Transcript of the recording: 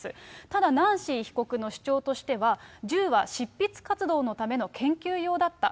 ただ、ナンシー被告の主張としては、銃は執筆活動のための研究用だった。